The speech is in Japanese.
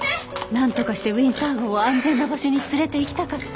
なんとかしてウィンター号を安全な場所に連れていきたかった。